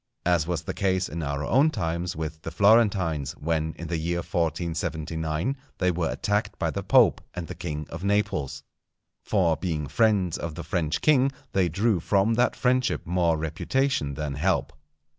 As was the case in our own times with the Florentines, when, in the year 1479, they were attacked by the Pope and the King of Naples. For being friends of the French king they drew from that friendship more reputation than help.